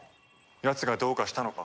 やつがどうかしたのか？